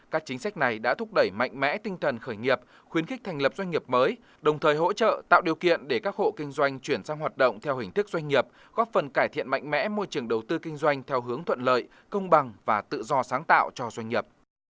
các chính sách này đã thúc đẩy mạnh mẽ tinh thần khởi nghiệp khuyến khích thành lập doanh nghiệp mới đồng thời hỗ trợ tạo điều kiện để các hộ kinh doanh chuyển sang hoạt động theo hình thức doanh nghiệp góp phần cải thiện mạnh mẽ môi trường đầu tư kinh doanh theo hướng thuận lợi công bằng và tự do sáng tạo cho doanh nghiệp